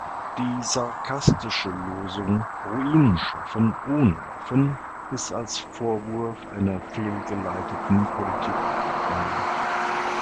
Die sarkastische Losung "Ruinen schaffen ohne Waffen" ist als Vorwurf einer fehlgeleiteten Politik gemeint.